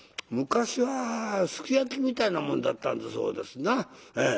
昔はすき焼きみたいなもんだったんだそうですな。